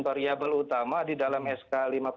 variabel utama di dalam sk lima ratus satu